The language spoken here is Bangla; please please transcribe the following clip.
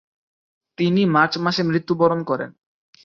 তিনি মার্চ মাসে মৃত্যুবরণ করেন।